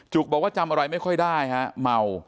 บอกว่าจำอะไรไม่ค่อยได้ฮะเมา